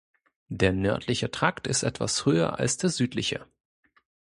Der nördliche Trakt ist etwas höher als der südliche.